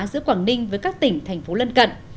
giữa quảng ninh với các tỉnh thành phố lân cận